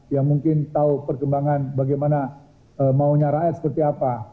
yang mungkin tahu perkembangan bagaimana maunya rakyat seperti apa